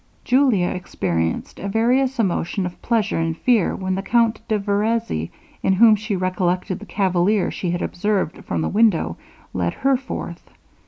Julia experienced a various emotion of pleasure and fear when the Count de Vereza, in whom she recollected the cavalier she had observed from the window, led her forth.